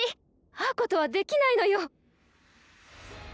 会うことはできないのよ！